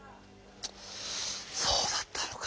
そうだったのか。